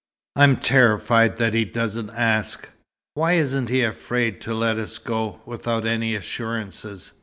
"I'm terrified that he doesn't ask. Why isn't he afraid to let us go, without any assurances?"